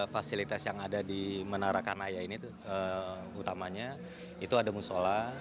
fasilitas yang ada di menara kanaya ini utamanya itu ada musola